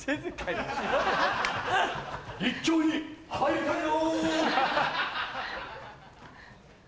立教に入りたいよ。